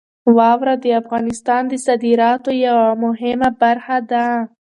واوره د افغانستان د صادراتو یوه مهمه برخه ده.